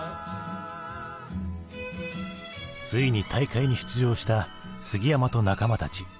ついに大会に出場した杉山と仲間たち。